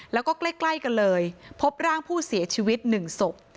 แล้วก็ใกล้กันเลยพบร่างผู้เสียชีวิต๑ศพ